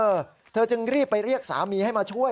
เธอเธอจึงรีบไปเรียกสามีให้มาช่วย